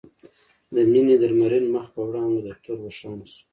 د مينې د لمرين مخ په وړانګو دفتر روښانه شو.